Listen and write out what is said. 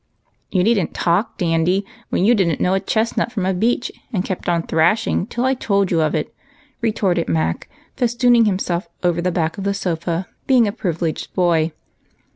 " You need n't talk. Dandy, when you did n't know a chestnut from a beech, and kept on thrashing till I told you of it," retorted Mac, festooning himself over the back of the sofa, being a privileged boy.